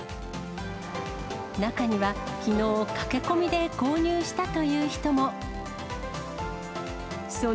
中には、きのう、駆け込みで購入したという人も。